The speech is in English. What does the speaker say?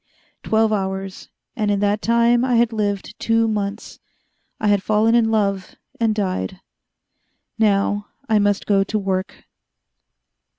Twelve hours and in that time I had lived two months. I had fallen in love, and died. Now I must go to work.